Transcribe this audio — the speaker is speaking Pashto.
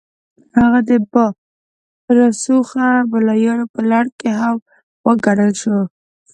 هغه د با رسوخه ملایانو په لړ کې هم وګڼل شو.